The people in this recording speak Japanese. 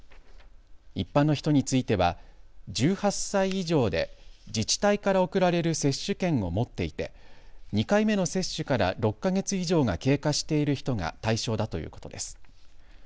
一般の人については１８歳以上で自治体から送られる接種券を持っていて２回目の接種から６か月以上が経過している人が対象だということです。